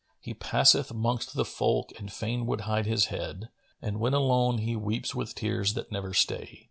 He passeth 'mongst the folk and fain would hide his head; And when alone, he weeps with tears that never stay.